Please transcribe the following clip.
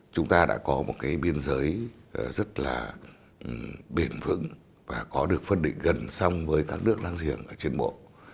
chúng ta đã có một cái biên giới rất là bền vững và có được phân định gần xong với các nước láng giềng ở trên bộ